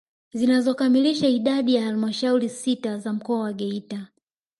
Zinazokamilisha idadi ya halmashauri sita za mkoa wa Geita